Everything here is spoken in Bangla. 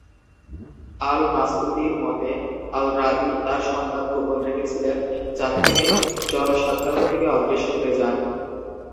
আল-মাসউদির মতে, আর-রাদি "তার সংবাদ গোপন রেখেছিলেন", যাতে তিনি জনসাধারণ থেকে অদৃশ্য হয়ে যান।